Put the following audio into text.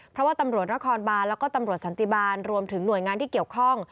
เพราะว่าตำรวจนครบานแล้วก็ตำรวจสันติบาลรวมถึงหน่วยงานที่เกี่ยวข้อง